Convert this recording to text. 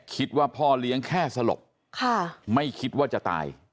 คิดว่าพ่อเลี้ยงแค่สลบไม่คิดว่าจะตาย